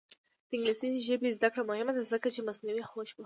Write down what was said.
د انګلیسي ژبې زده کړه مهمه ده ځکه چې مصنوعي هوش پوهوي.